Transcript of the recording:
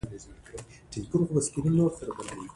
کویلیو په نولس سوه شپږ اتیا کال کې یو سپیڅلی سفر وکړ.